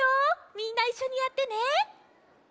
みんないっしょにやってね！